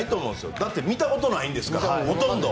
だって、見たことないですからほとんど。